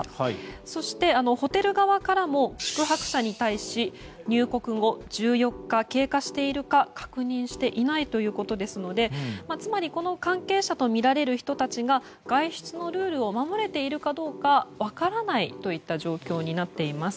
そして、ホテル側からも宿泊者に対し入国後１４日間経過しているか確認していないということですのでつまりこの関係者とみられる人たちが外出のルールを守れているかどうか分からないといった状況になっています。